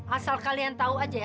asal kalian tahu aja ya